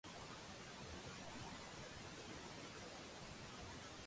鯨魚係哺乳類動物